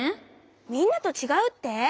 みんなとちがうって！？